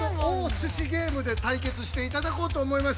寿司ゲームで対決していただこうと思います。